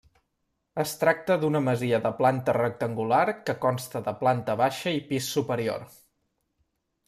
Es tracta d'una masia de planta rectangular que consta de planta baixa i pis superior.